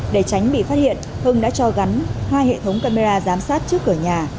để tránh bị phát hiện hưng đã cho gắn hai hệ thống camera giám sát trước cửa nhà